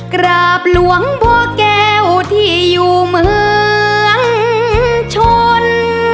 กราบหลวงพ่อแก้วที่อยู่เมืองชน